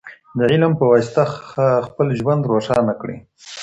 د علم په واسطه خپل ژوند روښانه کړئ.